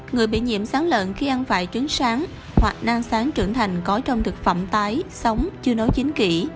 người bị nhiễm sán lợn khi ăn vài trứng sán hoặc nang sán trưởng thành có trong thực phẩm tái sống chưa nấu chín kỹ